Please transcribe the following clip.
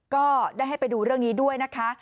ก็ได้ให้ไปดูเรื่องนี้ด้วยนะคะ